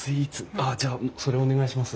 あっじゃあそれお願いします。